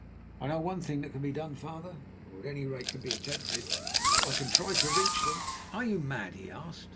"I know one thing that can be done, father, or at any rate can be attempted. I can try to reach them." "Are you mad?" he asked.